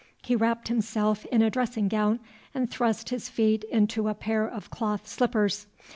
He wrapped himself in a dressing gown and thrust his feet into a pair of cloth slippers.